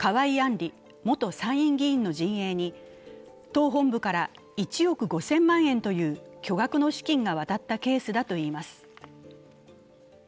里元参院議員の陣営に党本部から１億５０００万円という巨額の資金が渡ったケースだといいます。